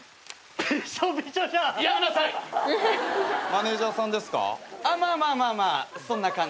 マネジャーさんですか？